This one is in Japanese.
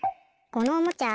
このおもちゃ